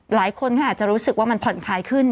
หลายคนก็อาจจะรู้สึกว่ามันผ่อนคลายขึ้น